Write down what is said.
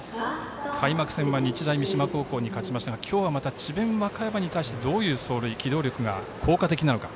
開幕戦は日大三島高校に勝ちましたが今日は、また智弁和歌山に対してどういう走塁機動力が効果的なのか。